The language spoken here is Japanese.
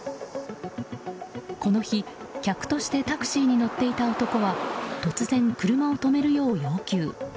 この日、客としてタクシーに乗っていた男は突然、車を止めるよう要求。